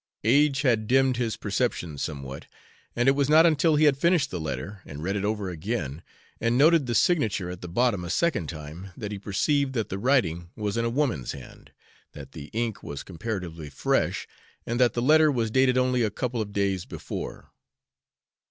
Age had dimmed his perceptions somewhat, and it was not until he had finished the letter, and read it over again, and noted the signature at the bottom a second time, that he perceived that the writing was in a woman's hand, that the ink was comparatively fresh, and that the letter was dated only a couple of days before.